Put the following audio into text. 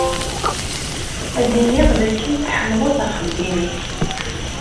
Ad iniɣ d akken tḥemmleḍ axeddim-im.